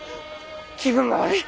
気分が悪い。